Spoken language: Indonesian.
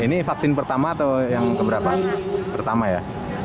ini vaksin pertama atau yang keberapa pertama ya